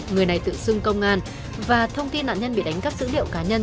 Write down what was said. người này tự xưng công an và thông tin nạn nhân bị đánh cắp dữ liệu cá nhân